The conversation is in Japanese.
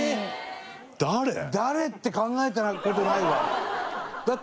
誰って考えた事ないわ。